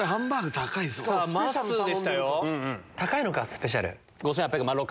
高いのかスペシャルメニュー。